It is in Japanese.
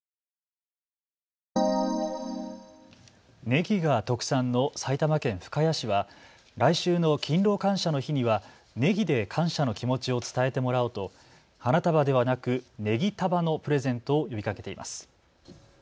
ねぎが特産の埼玉県深谷市は来週の勤労感謝の日には、ねぎで感謝の気持ちを伝えてもらおうと花束ではなく、ねぎ束のプレゼントを呼びかけています。